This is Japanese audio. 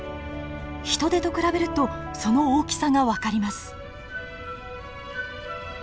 ヒトデと比べるとその大きさが分かります。